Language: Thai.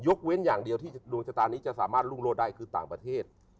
เว้นอย่างเดียวที่ดวงชะตานี้จะสามารถรุ่งโลศได้คือต่างประเทศ